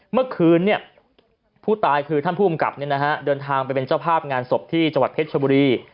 เมื่อคืนผู้ตายคือท่านผู้กำกับเดินทางไปเป็นเจ้าภาพงานศพที่จังหวัดเพชรชบุรี